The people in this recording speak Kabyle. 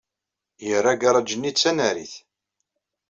Yerra agaṛaj-nni d tanarit.